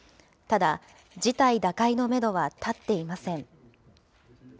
ただ、事態打開のメドは立っていません。